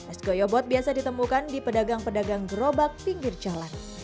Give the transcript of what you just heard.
es goyobot biasa ditemukan di pedagang pedagang gerobak pinggir jalan